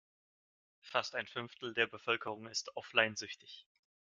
Fast ein Fünftel der Bevölkerung ist offline-süchtig.